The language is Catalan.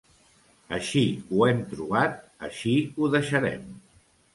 Així ho hem trobat, així ho deixarem.